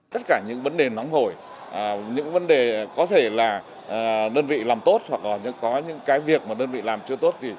tất cả những vấn đề nóng hổi những vấn đề có thể là đơn vị làm tốt hoặc là có những cái việc mà đơn vị làm chưa tốt